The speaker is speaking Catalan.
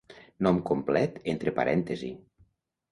Nom complet entre parèntesis.